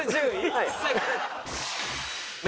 はい。